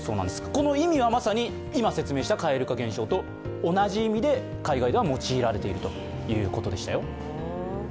この意味はまさに説明した蛙化現象と海外では用いられているということでしたよ。